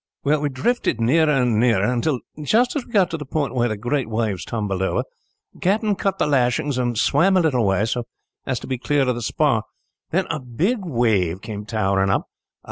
"Well, we drifted nearer and nearer until, just as we got to the point where the great waves tumbled over, the captain cut the lashings and swam a little away, so as to be clear of the spar. Then a big wave came towering up.